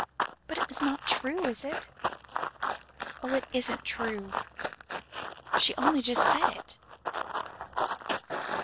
But it's not true, is it? Oh! it isn't true? She only just said it?"